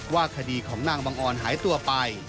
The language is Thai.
ว่าคดีของนางบังออนหายตัวไป